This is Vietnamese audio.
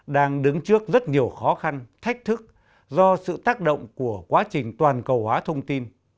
đang đứng trước rất nhiều khó khăn thách thức do sự tác động của quá trình toàn cầu hóa thông tin